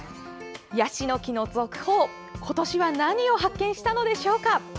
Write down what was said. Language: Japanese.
ヤシの木の続報、今年は何を発見したのでしょうか。